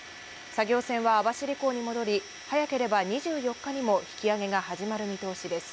作業船は網走港に戻り、早ければ２４日にも引き揚げが始まる見通しです。